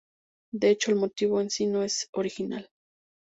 De hecho el motivo en sí no es original.